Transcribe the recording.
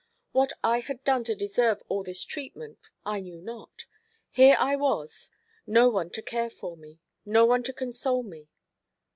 What I had done to deserve all this treatment I knew not. Here I was, no one to care for me, no one to console me.